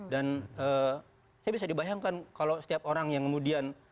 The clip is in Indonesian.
dan saya bisa dibayangkan kalau setiap orang yang kemudian